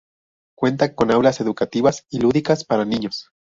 Cuenta con aulas educativas y lúdicas para niños.